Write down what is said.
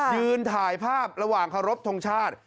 ยืนถ่ายภาพระหว่างเคารพทงชาติ